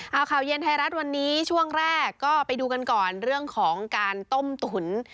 เอาข่าวเย็นไทยรัฐวันนี้ช่วงแรกก็ไปดูกันก่อนเรื่องของการต้มตุ๋น